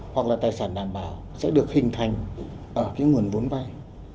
hoặc là tài sản đảm bảo sẽ được hình thành ở cái nguồn vốn vay